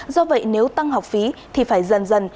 do vậy nếu tăng học phí thì phải dần dần